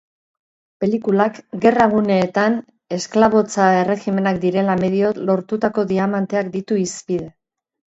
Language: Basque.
Pelikulak, gerra gunetan, esklabotza erregimenak direla medio lortutako diamanteak ditu hizpide.